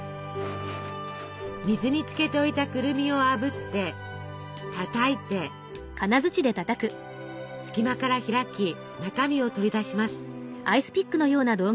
水につけておいたくるみをあぶってたたいて隙間から開き中身を取り出します。